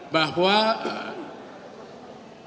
bahwa persidangan pemohon satu itu